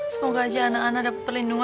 semoga aja anak anak dapat perlindungan